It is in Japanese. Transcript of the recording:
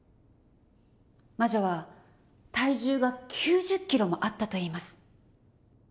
魔女は体重が９０キロもあったといいます。